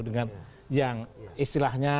dengan yang istilahnya